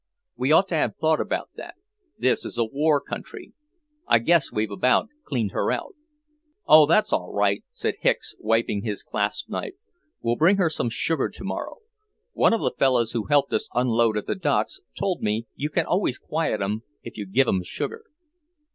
We ought to have thought about that; this is a war country. I guess we've about cleaned her out." "Oh, that's all right," said Hicks wiping his clasp knife. "We'll bring her some sugar tomorrow. One of the fellows who helped us unload at the docks told me you can always quiet 'em if you give 'em sugar."